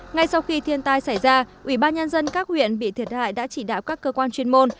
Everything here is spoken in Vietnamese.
ngay sau khi thiên tai xảy ra ủy ban nhân dân các huyện bị thiệt hại đã chỉ đạo các cơ quan chuyên môn